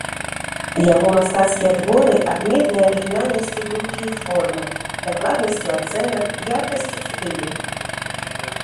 Яго мастацкія творы адметныя арыгінальнасцю думкі і формы, дакладнасцю ацэнак, яркасцю стылю.